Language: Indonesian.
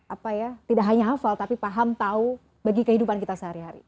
apa ya tidak hanya hafal tapi paham tahu bagi kehidupan kita sehari hari